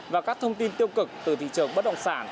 và các thông tin tiêu cực từ thị trường bất động sản